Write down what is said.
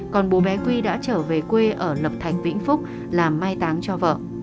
còn bố bé quy đã trở về quê ở lập thành vĩnh phúc làm mai táng cho vợ